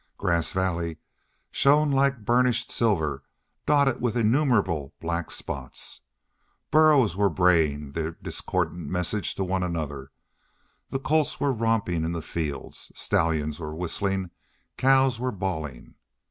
Grass Valley shone like burnished silver dotted with innumerable black spots. Burros were braying their discordant messages to one another; the colts were romping in the fields; stallions were whistling; cows were bawling.